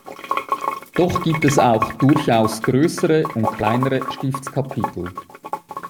Doch gibt es auch durchaus größere und kleinere Stiftskapitel.